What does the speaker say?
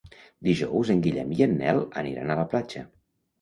Dijous en Guillem i en Nel aniran a la platja.